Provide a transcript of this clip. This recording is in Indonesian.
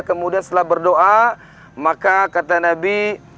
kemudian setelah berdoa maka kata nabi